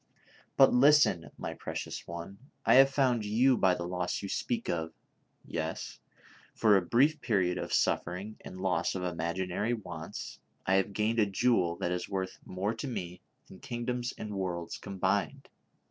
" But listen, my precious one, I have found you by the loss you speak of ; yes, for a brief period of suffering and loss of imaginary wants, I have gained a jewel that is worth more to me than kingdoms and worlds combined